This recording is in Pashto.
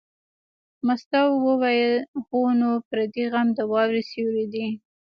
مستو وویل: هو نو پردی غم د واورې سیوری دی.